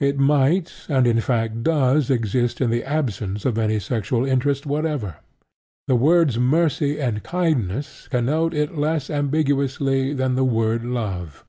It might, and in fact does exist in the absence of any sexual interest whatever. The words mercy and kindness connote it less ambiguously than the word love.